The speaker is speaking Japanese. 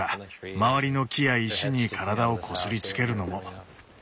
周りの木や石に体をこすりつけるのも。